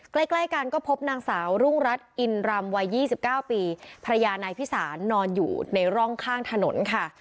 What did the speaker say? ใกล้ใกล้กันก็พบนางสาวรุ่งรัฐอินรำวัย๒๙ปีภรรยานายพิสารนอนอยู่ในร่องข้างถนนค่ะ